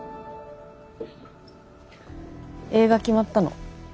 映画決まったの。